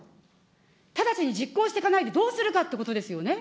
直ちに実行していかないでどうするかってことですよね。